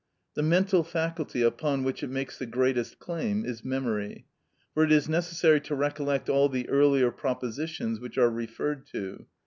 The mental faculty upon which it makes the greatest claim is memory, for it is necessary to recollect all the earlier propositions which are referred to.